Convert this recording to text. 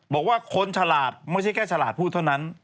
บอกว่าคนฉลาดไม่ใช่แค่ฉลาดพูดเท่านั้น